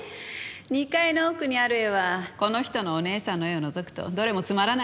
２階の奥にある絵はこの人のお姉さんの絵を除くとどれもつまらない絵ばかりよ。